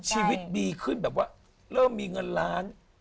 ชีวิตดีขึ้นแบบว่าเริ่มมีเงินล้าน